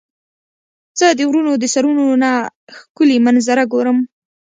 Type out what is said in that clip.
زه د غرونو د سرونو نه ښکلي منظره ګورم.